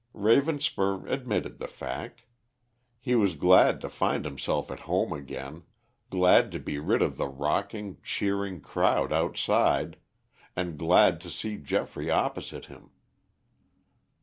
Ravenspur admitted the fact. He was glad to find himself at home again, glad to be rid of the rocking, cheering crowd outside, and glad to see Geoffrey opposite him.